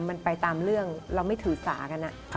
มันไปตามเรื่องเราไม่ถือสากัน